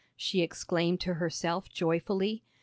she exclaimed to herself joyfully.